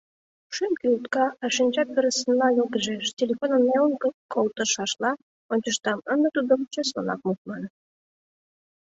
Шӱм кӱлтка, а шинча пырысынла йылгыжеш — телефоным нелын колтышашла ончыштам: ынде тудым чеслынак мушман.